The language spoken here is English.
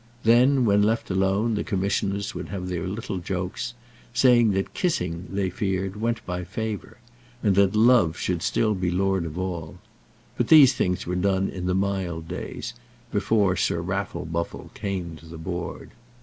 Then, when left alone, the Commissioners would have their little jokes, saying that Kissing, they feared, went by favour; and that Love should still be lord of all. But these things were done in the mild days, before Sir Raffle Buffle came to the Board.